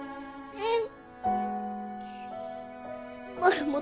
うん。